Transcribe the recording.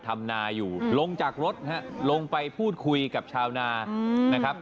ทำนาอยู่ลงจากรถฮะลงไปพูดคุยกับชาวนานะครับ